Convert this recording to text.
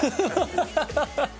ハハハハ。